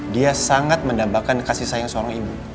dia sangat mendambakan kasih sayang seorang ibu